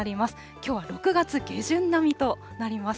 きょうは６月下旬並みとなります。